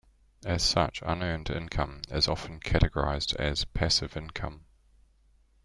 As such, unearned income is often categorized as "passive income".